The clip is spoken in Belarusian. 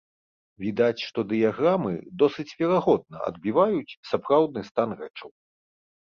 Відаць, што дыяграмы досыць верагодна адбіваюць сапраўдны стан рэчаў.